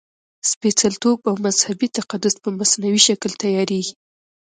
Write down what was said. سپېڅلتوب او مذهبي تقدس په مصنوعي شکل تیارېږي.